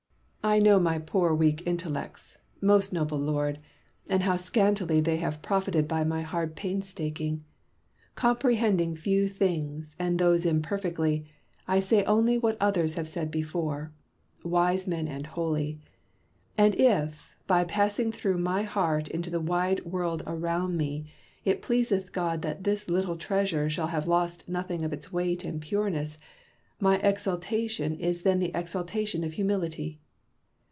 I know my poor weak intellects, most noble Lord, and how scantily they have profited by my hard painstaking. Comprehending few things, and those imper fectly, I say only what others liave said before, wise men LORD BACON AND RICHARD HOOKER. 131 and holy ; and if, by passing through my heart into the wide world around me, it pleaseth God that this little treasure shall have lost nothing of its weight and pureness, my exultation is then the exultation of humility.